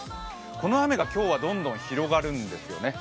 この雨が今日はどんどん広がるんですよね。